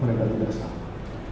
mereka tidak salah